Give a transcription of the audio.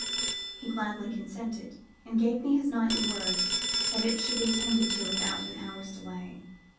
He gladly consented, and gave me his knightly word that it should be attended to without an hour's delay.